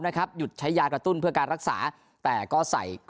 นะครับหยุดใช้ยากระตุ้นเพื่อการรักษาแต่ก็ใส่เครื่อง